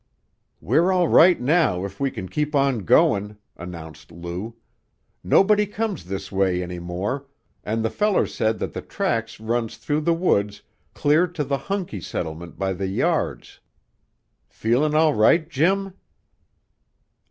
"We're all right now if we kin keep on goin'," announced Lou. "Nobody comes this way any more, an' the feller said that the tracks runs through the woods clear to the Hunkie settlement by the yards. Feelin' all right, Jim?"